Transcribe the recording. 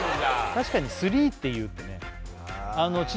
確かに「スリー」って言うってね